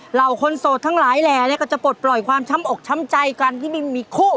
เหล่าคนโสดทั้งหลายแหล่ก็จะปลดปล่อยความช้ำอกช้ำใจกันที่ไม่มีคู่